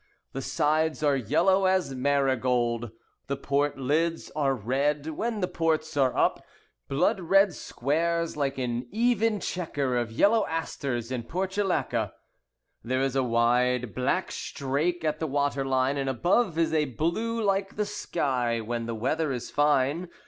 The sides are yellow as marigold, The port lids are red when the ports are up: Blood red squares like an even chequer Of yellow asters and portulaca. There is a wide "black strake" at the waterline And above is a blue like the sky when the weather is fine.